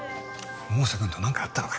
百瀬くんと何かあったのか？